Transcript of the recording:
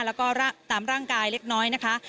แล้วก็ตามร่างกายเล็กน้อยนะคะ